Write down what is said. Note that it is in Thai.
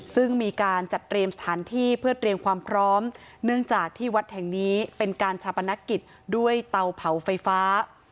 ซึ่งมีการจัดเตรียมสถานที่เพื่อเตรียมความพร้อมเนื่องจากที่วัดแห่งนี้เป็นการชาปนกิจด้วยเตาเผาไฟฟ้า